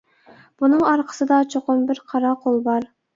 بۇنىڭ ئارقىسىدا چوقۇم بىر قارا قول بار.